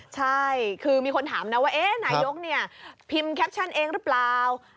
ใช่คือมีคนถามนะว่านายกพิมพ์แคปชั่นเองหรือเปล่า